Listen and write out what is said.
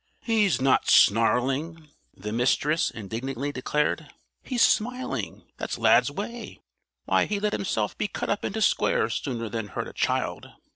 "He's not snarling," the Mistress indignantly declared, "he's smiling. That's Lad's way. Why, he'd let himself be cut up into squares sooner than hurt a child."